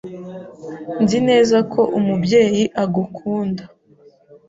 Nzi neza ko Umubyeyi agukunda.